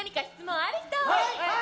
はい！